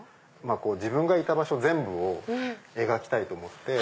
自分がいた場所全部を描きたいと思って。